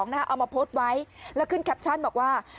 เอามาโพสต์ไว้แล้วขึ้นแคปชั่นบอกว่า